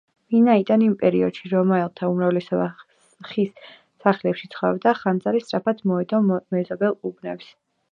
ვინაიდან იმ პერიოდში რომაელთა უმრავლესობა ხის სახლებში ცხოვრობდა, ხანძარი სწრაფად მოედო მეზობელ უბნებს.